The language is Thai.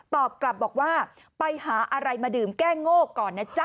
ตอบกลับบอกว่าไปหาอะไรมาดื่มแก้โง่ก่อนนะจ๊ะ